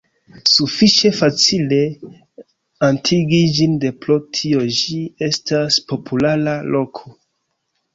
Sufiĉe facile atingi ĝin de pro tio ĝi estas populara loko.